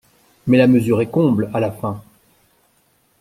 Mais la mesure est comble, à la fin.